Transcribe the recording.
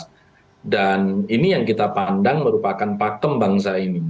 ada legisitas dan ini yang kita pandang merupakan patem bangsa ini